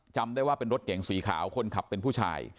จำได้ว่าเป็นรถเก่งสีขาวคนขับเป็นผู้ชาย